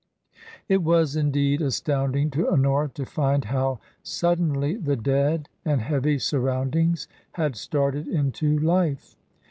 It was, indeed, astounding to Honora to find how sud denly the dead and heavy surroundings had started into life.